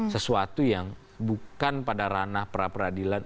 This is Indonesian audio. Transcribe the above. sesuatu yang bukan pada ranah pra peradilan